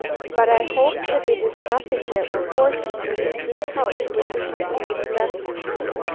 But I hope that it is nothing that will force me to leave this house which is my only refuge."